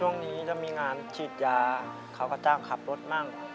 ช่วงนี้ถ้ามีงานฉีดยาเขาก็จ้างขับรถมั่ง